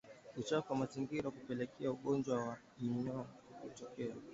Uchafu wa mazingira hupelekea ugonjwa wa minyoo kutokea